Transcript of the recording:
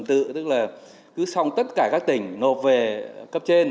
tức là cứ xong tất cả các tỉnh nộp về cấp trên